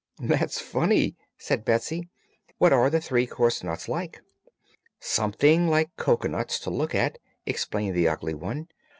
'" "That's funny!" said Betsy. "What are the 'Three Course Nuts' like?" "Something like cocoanuts, to look at," explained the Ugly One.